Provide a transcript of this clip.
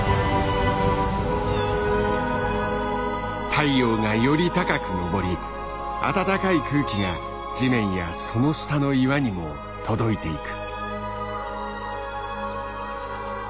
太陽がより高く昇り暖かい空気が地面やその下の岩にも届いていく。